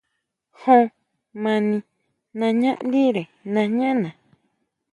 Jun mani nañá ndire nañá na.